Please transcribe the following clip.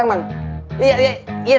bang kalangzadaius ardegathuh